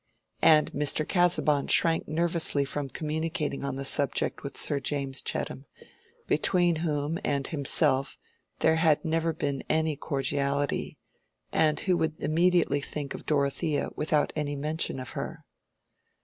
And Mr. Casaubon shrank nervously from communicating on the subject with Sir James Chettam, between whom and himself there had never been any cordiality, and who would immediately think of Dorothea without any mention of her.